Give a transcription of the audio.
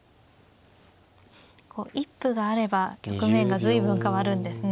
一歩があれば局面が随分変わるんですね。